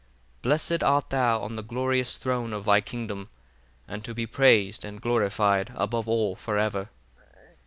33 Blessed art thou on the glorious throne of thy kingdom: and to be praised and glorified above all for ever.